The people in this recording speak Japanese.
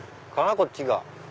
こっちが。